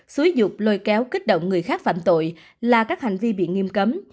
xúi dục lôi kéo kích động người khác phạm tội là các hành vi bị nghiêm cấm